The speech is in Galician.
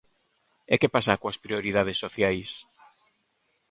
¿E que pasa coas prioridades sociais?